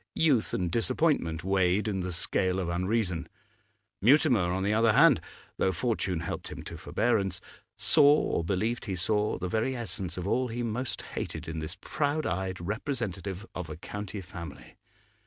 Youth and disappointment weighed in the scale of unreason. Mutimer, on the other hand, though fortune helped him to forbearance, saw, or believed he saw, the very essence of all he most hated in this proud eyed representative of a county family.